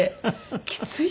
きつい？